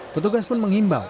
petugas pun mengimbau